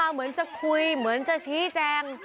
เหมือนจะคุยเหมือนจะชี้แจง